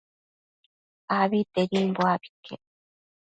Abitedimbo abi iquec